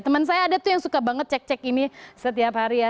teman saya ada tuh yang suka banget cek cek ini setiap hari ya